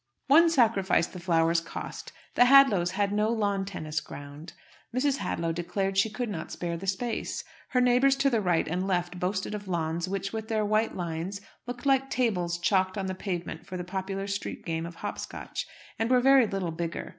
One sacrifice the flowers cost; the Hadlows had no lawn tennis ground. Mrs. Hadlow declared she could not spare the space. Her neighbours to the right and left boasted of lawns which, with their white lines, looked like tables chalked on the pavement for the popular street game of hop scotch and were very little bigger.